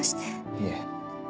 いえ。